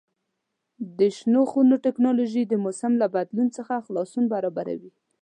د شنو خونو تکنالوژي د موسم له بدلون څخه خلاصون برابروي.